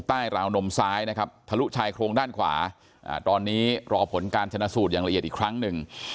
ราวนมซ้ายนะครับทะลุชายโครงด้านขวาตอนนี้รอผลการชนะสูตรอย่างละเอียดอีกครั้งหนึ่ง